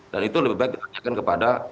dan itu lebih baik ditanyakan kepada